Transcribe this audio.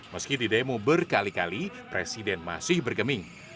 meski didemo berkali kali presiden masih bergeming